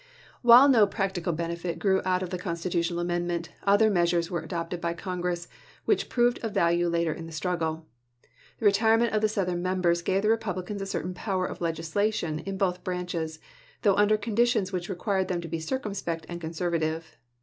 "While no practical benefit grew out of the constitutional amendment, other measures were adopted by Congress, which proved of value later in the struggle. The retirement of the Southern Members gave the Eepublicans a certain power of legislation in both branches, though under condi tions which required them to be circumspect and conservative.